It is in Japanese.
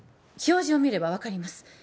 表示を見れば分かります